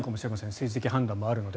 政治的判断もあるので。